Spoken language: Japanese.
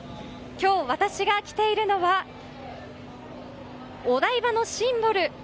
今日、私が来ているのはお台場のシンボル